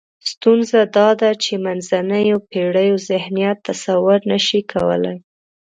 ستونزه دا ده چې منځنیو پېړیو ذهنیت تصور نشي کولای.